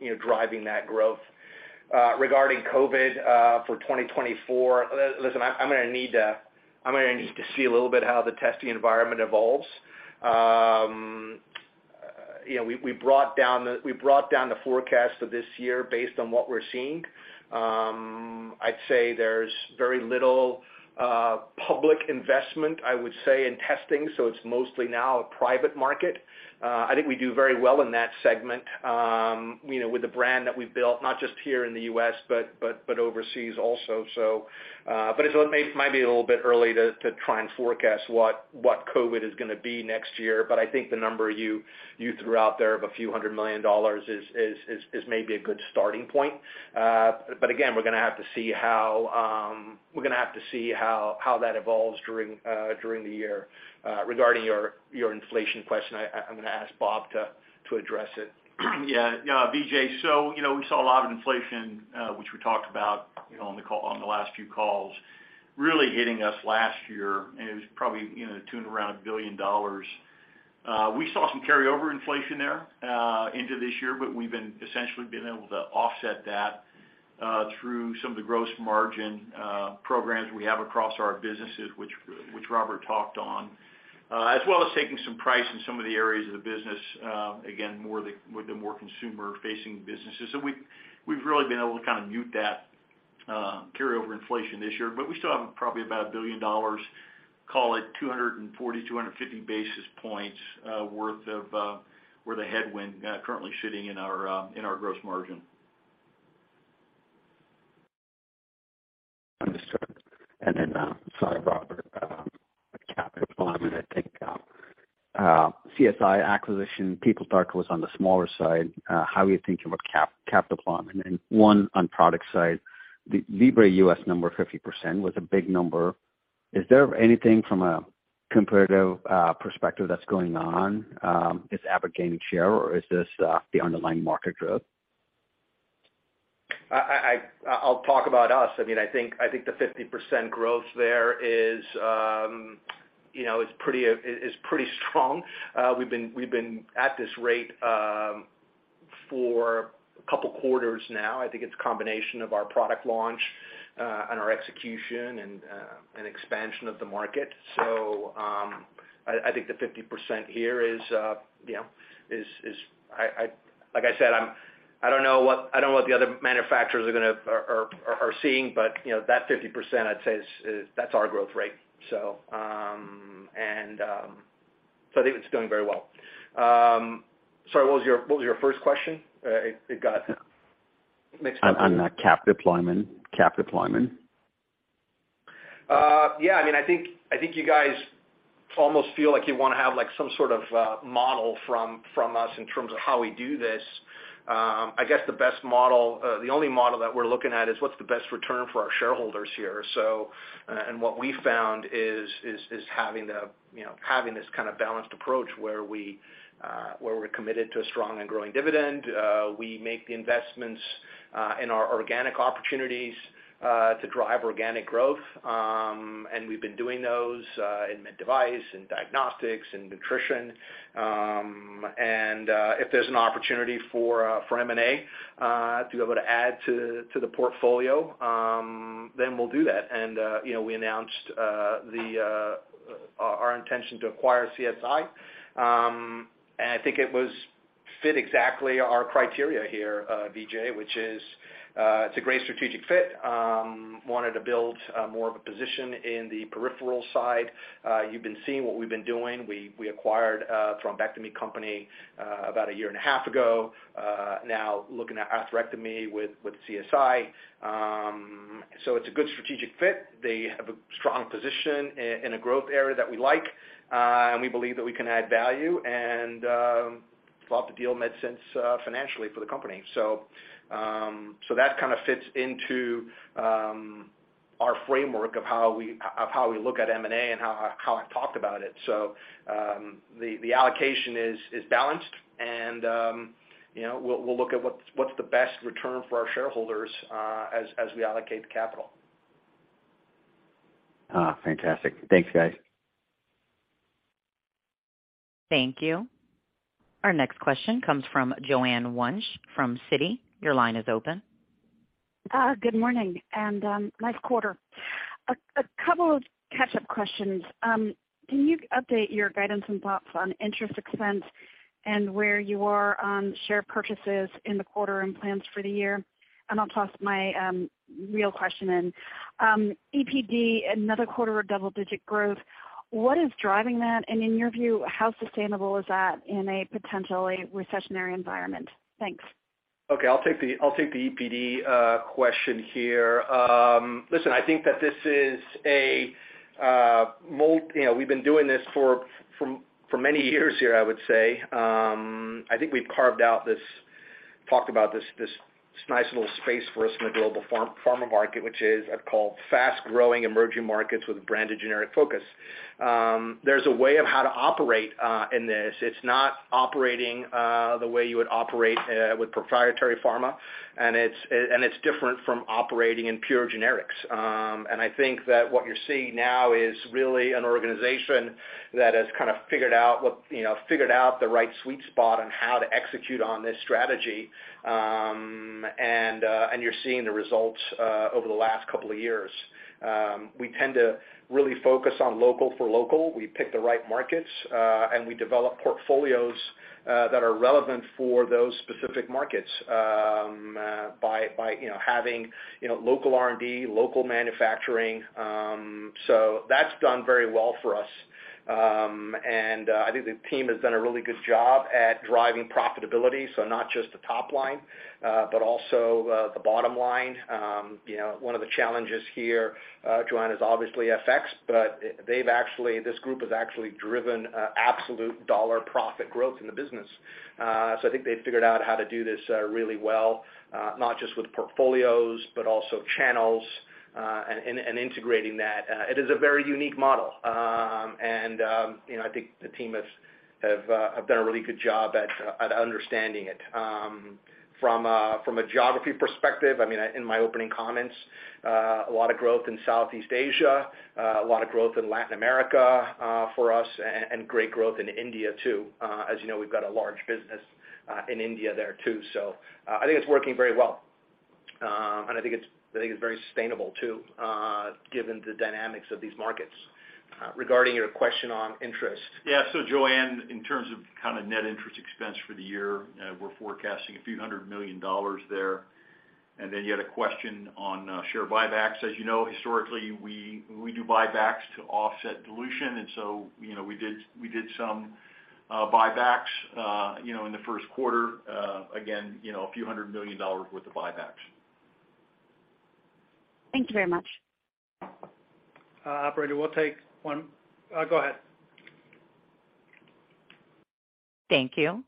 you know, driving that growth. Regarding COVID, for 2024, listen, I'm gonna need to see a little bit how the testing environment evolves. You know, we brought down the forecast of this year based on what we're seeing. I'd say there's very little public investment, I would say, in testing, it's mostly now a private market. I think we do very well in that segment, you know, with the brand that we've built, not just here in the US, but overseas also. But as I said, it might be a little bit early to try and forecast what COVID is gonna be next year. I think the number you threw out there of a few hundred million dollars is maybe a good starting point. Again, we're gonna have to see how we're gonna have to see how that evolves during the year. Regarding your inflation question, I'm gonna ask Bob to address it. Vijay, you know, we saw a lot of inflation, which we talked about, you know, on the last few calls, really hitting us last year, and it was probably, you know, to and around $1 billion. We saw some carryover inflation there into this year, but we've essentially been able to offset that through some of the gross margin programs we have across our businesses, which Robert talked on. As well as taking some price in some of the areas of the business, again, with the more consumer-facing businesses. We've really been able to kind of mute that carryover inflation this year. We still have probably about $1 billion, call it 240, 250 basis points, worth of, where the headwind currently sitting in our, in our gross margin. Understood. Sorry, Robert, on capital deployment, I think CSI acquisition, people thought it was on the smaller side. How are you thinking about capital deployment? One, on product side, the LibreUS number 50% was a big number. Is there anything from a comparative perspective that's going on? Is Abbott gaining share, or is this the underlying market growth? I'll talk about us. I mean, I think, I think the 50% growth there is, you know, pretty strong. We've been at this rate for a couple quarters now. I think it's a combination of our product launch and our execution and expansion of the market. I think the 50% here is, you know, like I said, I don't know what, I don't know what the other manufacturers are seeing, but, you know, that 50% I'd say is that's our growth rate. I think it's doing very well. Sorry, what was your first question? It got mixed in there. On the capital deployment. Yeah. I think you guys almost feel like you wanna have some sort of model from us in terms of how we do this. I guess the best model, the only model that we're looking at is what's the best return for our shareholders here. What we found is having this kind of balanced approach where we're committed to a strong and growing dividend. We make the investments in our organic opportunities to drive organic growth. And we've been doing those in med device, in diagnostics, in nutrition. And if there's an opportunity for M&A to be able to add to the portfolio, we'll do that. You know, we announced our intention to acquire CSI. I think it fit exactly our criteria here, Vijay, which is a great strategic fit. Wanted to build more of a position in the peripheral side. You've been seeing what we've been doing. We acquired a thrombectomy company about a year and a half ago. Now looking at atherectomy with CSI. It's a good strategic fit. They have a strong position in a growth area that we like, and we believe that we can add value, and thought the deal made sense financially for the company. That kind of fits into our framework of how we look at M&A and how I've talked about it. The allocation is balanced and, you know, we'll look at what's the best return for our shareholders as we allocate the capital. Fantastic. Thanks, guys. Thank you. Our next question comes from Joanne Wuensch from Citi. Your line is open. Good morning, and nice quarter. A couple of catch-up questions. Can you update your guidance and thoughts on interest expense and where you are on share purchases in the quarter and plans for the year? I'll toss my real question in. EPD, another quarter of double-digit growth. What is driving that? In your view, how sustainable is that in a potentially recessionary environment? Thanks. Okay. I'll take the EPD question here. Listen, I think that this is a, you know, we've been doing this for many years here, I would say. I think we've carved out this, talked about this nice little space for us in the global pharma market, which is, I'd call fast-growing emerging markets with branded generic focus. There's a way of how to operate in this. It's not operating the way you would operate with proprietary pharma, and it's different from operating in pure generics. I think that what you're seeing now is really an organization that has kind of figured out what, you know, figured out the right sweet spot on how to execute on this strategy. You're seeing the results over the last couple of years. We tend to really focus on local for local. We pick the right markets, we develop portfolios that are relevant for those specific markets, you know, having, you know, local R&D, local manufacturing. That's done very well for us. I think the team has done a really good job at driving profitability. Not just the top line, but also the bottom line. You know, one of the challenges here, Joanne, is obviously FX, but this group has actually driven absolute dollar profit growth in the business. I think they've figured out how to do this really well, not just with portfolios, but also channels, integrating that. It is a very unique model. You know, I think the team have done a really good job at understanding it. From, from a geography perspective, I mean, in my opening comments, a lot of growth in Southeast Asia, a lot of growth in Latin America, for us, and great growth in India, too. As you know, we've got a large business, in India there, too. I think it's working very well. I think it's very sustainable, too, given the dynamics of these markets. Regarding your question on interest. Yeah. Joanne, in terms of kind of net interest expense for the year, we're forecasting a few hundred million dollars there. Then you had a question on share buybacks. As you know, historically, we do buybacks to offset dilution. So, you know, we did some buybacks, you know, in the first quarter, again, you know, a few hundred million dollars worth of buybacks. Thank you very much. Operator, we'll take one. Go ahead. Thank you.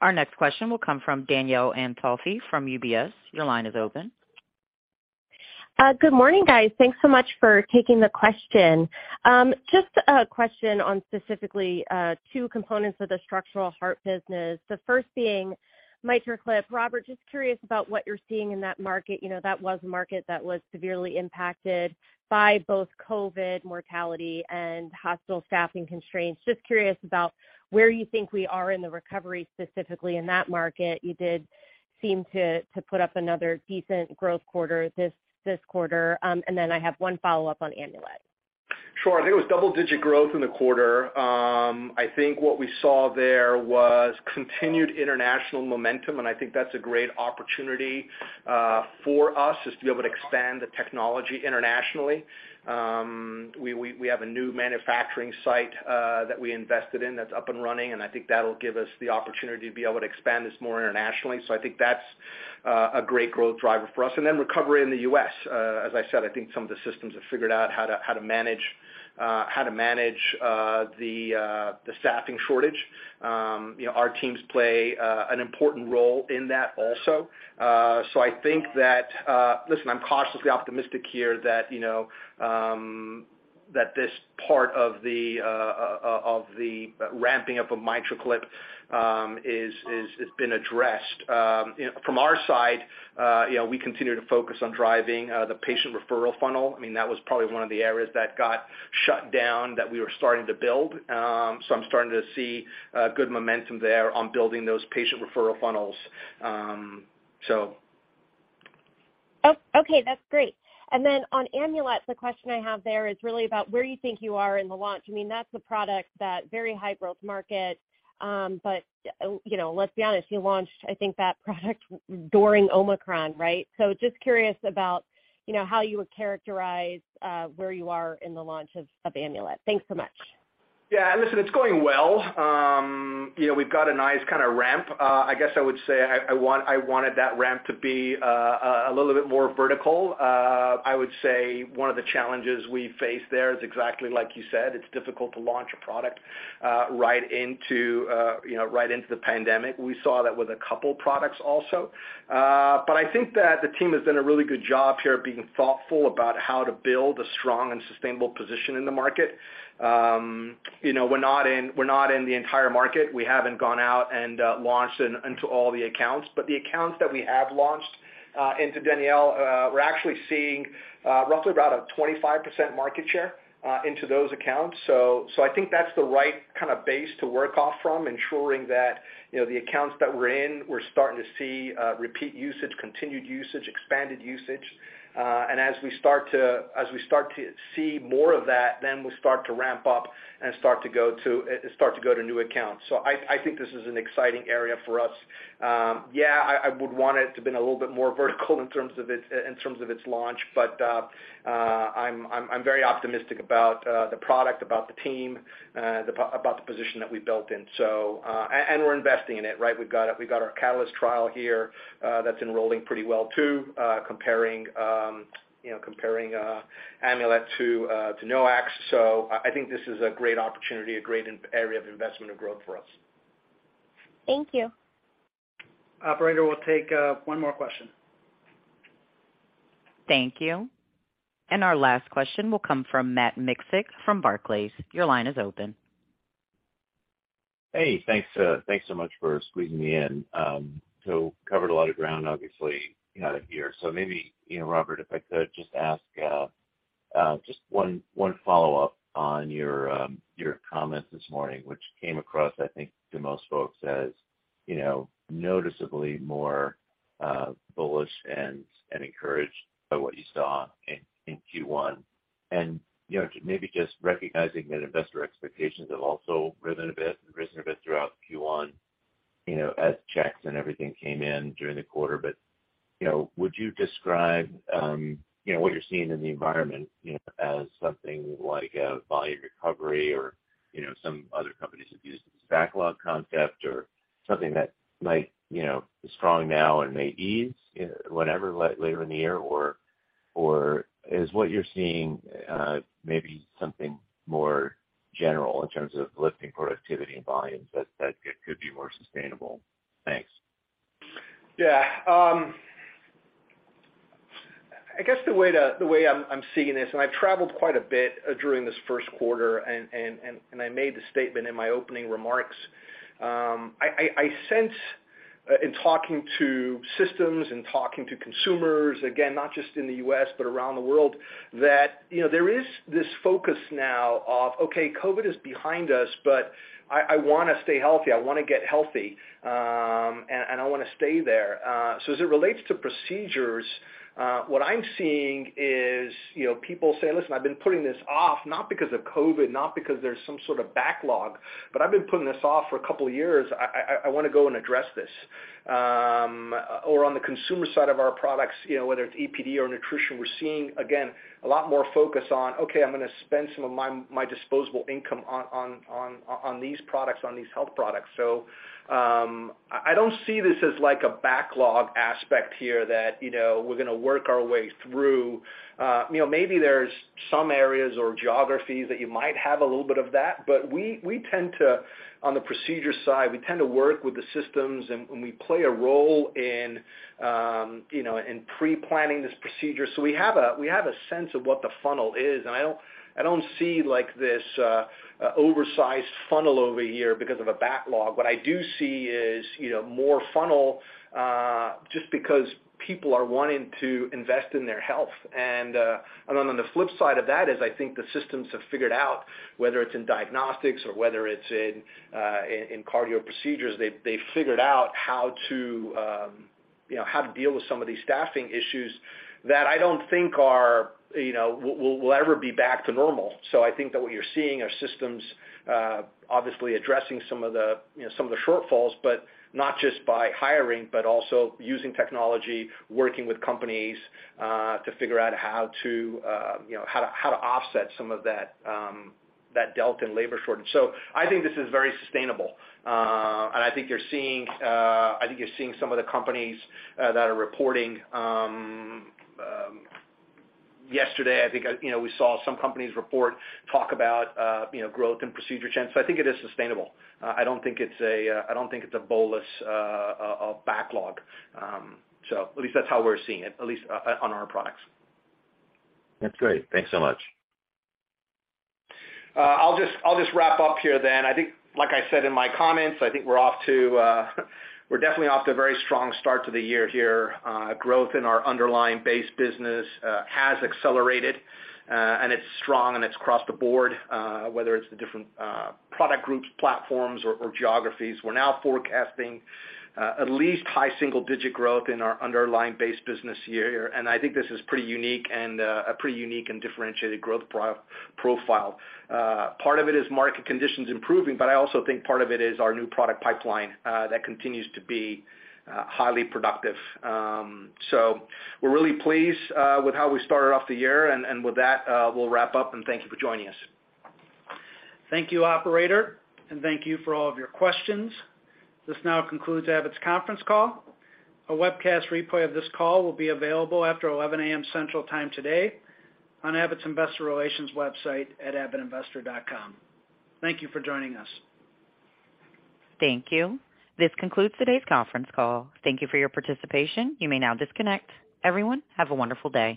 Our next question will come from Danielle Antalffy from UBS. Your line is open. Good morning, guys. Thanks so much for taking the question. Just a question on specifically, two components of the structural heart business. The first being MitraClip. Robert, just curious about what you're seeing in that market. You know, that was a market that was severely impacted by both COVID mortality and hospital staffing constraints. Just curious about where you think we are in the recovery, specifically in that market. You did seem to put up another decent growth quarter this quarter. I have one follow-up on Amulet. Sure. I think it was double-digit growth in the quarter. I think what we saw there was continued international momentum, and I think that's a great opportunity for us, is to be able to expand the technology internationally. We have a new manufacturing site that we invested in that's up and running, and I think that'll give us the opportunity to be able to expand this more internationally. I think that's a great growth driver for us. Then recovery in the US As I said, I think some of the systems have figured out how to manage the staffing shortage. You know, our teams play an important role in that also. I think that, listen, I'm cautiously optimistic here that, you know, that this part of the ramping up of MitraClip is, has been addressed. you know, from our side, you know, we continue to focus on driving the patient referral funnel. I mean, that was probably one of the areas that got shut down that we were starting to build. I'm starting to see good momentum there on building those patient referral funnels. Okay, that's great. On Amulet, the question I have there is really about where you think you are in the launch. I mean, that's a product that very high growth market. But, you know, let's be honest, you launched, I think, that product during Omicron, right? Just curious about, you know, how you would characterize where you are in the launch of Amulet. Thanks so much. Yeah. Listen, it's going well. you know, we've got a nice kinda ramp. I guess I would say I wanted that ramp to be a little bit more vertical. I would say one of the challenges we face there is exactly like you said, it's difficult to launch a product, right into, you know, right into the pandemic. We saw that with a couple products also. I think that the team has done a really good job here of being thoughtful about how to build a strong and sustainable position in the market. you know, we're not in, we're not in the entire market. We haven't gone out and launched into all the accounts. The accounts that we have launched into, Danielle Antalffy, we're actually seeing roughly about a 25% market share into those accounts. I think that's the right kinda base to work off from, ensuring that, you know, the accounts that we're in, we're starting to see repeat usage, continued usage, expanded usage. As we start to see more of that, then we start to ramp up and start to go to new accounts. I think this is an exciting area for us. Yeah, I would want it to have been a little bit more vertical in terms of its launch. I'm very optimistic about the product, about the team, about the position that we built in, so. We're investing in it, right? We've got our Catalyst trial here, that's enrolling pretty well, too, comparing, you know, Amulet to NOACs. I think this is a great opportunity, a great area of investment and growth for us. Thank you. Operator, we'll take one more question. Thank you. Our last question will come from Matt Miksic from Barclays. Your line is open. Hey, thanks so much for squeezing me in. Covered a lot of ground, obviously, here. Maybe, you know, Robert, if I could just ask, just one follow-up on your comments this morning, which came across, I think, to most folks as, you know, noticeably more bullish and encouraged by what you saw in Q1. You know, maybe just recognizing that investor expectations have also risen a bit throughout Q1. You know, as checks and everything came in during the quarter, but, you know, would you describe, you know, what you're seeing in the environment, you know, as something like a volume recovery or, you know, some other companies have used this backlog concept or something that might, you know, is strong now and may ease whenever, like later in the year? Is what you're seeing, maybe something more general in terms of lifting productivity and volumes that could be more sustainable? Thanks. I guess the way I'm seeing this, I've traveled quite a bit during this first quarter, and I made the statement in my opening remarks. I sense in talking to systems and talking to consumers, again, not just in the US but around the world, that, you know, there is this focus now of, okay, COVID is behind us, but I wanna stay healthy, I wanna get healthy, and I wanna stay there. As it relates to procedures, what I'm seeing is, you know, people say, "Listen, I've been putting this off not because of COVID, not because there's some sort of backlog, but I've been putting this off for two years. I wanna go and address this. Or on the consumer side of our products, you know, whether it's EPD or nutrition, we're seeing, again, a lot more focus on, okay, I'm gonna spend some of my disposable income on these products, on these health products. I don't see this as like a backlog aspect here that, you know, we're gonna work our way through. You know, maybe there's some areas or geographies that you might have a little bit of that, but we tend to on the procedure side, we tend to work with the systems and we play a role in, you know, in pre-planning this procedure. We have a sense of what the funnel is, and I don't, I don't see, like, this oversized funnel over here because of a backlog. What I do see is, you know, more funnel, just because people are wanting to invest in their health. On the flip side of that is I think the systems have figured out, whether it's in diagnostics or whether it's in cardio procedures, they've figured out how to, you know, how to deal with some of these staffing issues that I don't think are, you know, will ever be back to normal. I think that what you're seeing are systems, obviously addressing some of the, you know, some of the shortfalls, but not just by hiring, but also using technology, working with companies, to figure out how to, you know, how to offset some of that dealt in labor shortage. I think this is very sustainable. I think you're seeing, I think you're seeing some of the companies that are reporting. Yesterday, I think, you know, we saw some companies report talk about, you know, growth and procedure trends, so I think it is sustainable. I don't think it's a, I don't think it's a bolus of backlog. At least that's how we're seeing it, at least on our products. That's great. Thanks so much. I'll just wrap up here then. I think, like I said in my comments, I think we're off to, we're definitely off to a very strong start to the year here. Growth in our underlying base business has accelerated, and it's strong and it's across the board, whether it's the different product groups, platforms or geographies. We're now forecasting at least high single-digit growth in our underlying base business year. I think this is pretty unique and, a pretty unique and differentiated growth profile. Part of it is market conditions improving, but I also think part of it is our new product pipeline that continues to be highly productive. We're really pleased, with how we started off the year and with that, we'll wrap up and thank you for joining us. Thank you, operator, and thank you for all of your questions. This now concludes Abbott's conference call. A webcast replay of this call will be available after 11:00 A.M. Central Time today on Abbott's investor relations website at abbottinvestor.com. Thank you for joining us. Thank you. This concludes today's conference call. Thank you for your participation. You may now disconnect. Everyone, have a wonderful day.